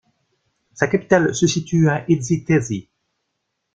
Sa capitale se situe à Itezhi-Tezhi.